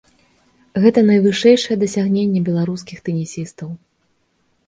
Гэта найвышэйшае дасягненне беларускіх тэнісістаў.